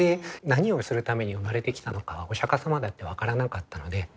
何をするために生まれてきたのかはお釈様だって分からなかったので。